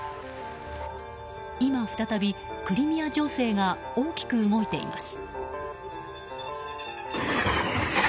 今再び、クリミア情勢が大きく動いています。